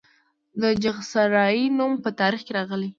د چغسرای نوم په تاریخ کې راغلی